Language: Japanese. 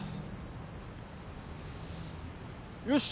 よし！